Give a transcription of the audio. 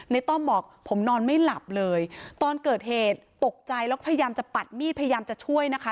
ต้อมบอกผมนอนไม่หลับเลยตอนเกิดเหตุตกใจแล้วพยายามจะปัดมีดพยายามจะช่วยนะคะ